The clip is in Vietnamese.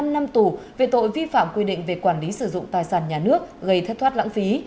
một mươi năm năm tù về tội vi phạm quy định về quản lý sử dụng tài sản nhà nước gây thất thoát lãng phí